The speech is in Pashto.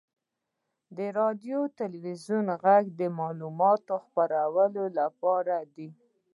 • د راډیو او تلویزیون ږغ د معلوماتو خپرولو لپاره دی.